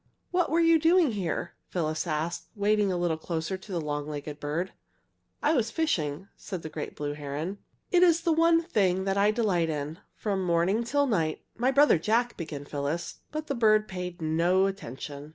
"What were you doing here?" Phyllis asked, wading a little closer to the long legged bird. "I was fishing," said the great blue heron. "It is the one thing I delight in. From morning till night " "My brother Jack " began Phyllis, but the bird paid no attention.